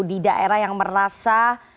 di daerah yang merasa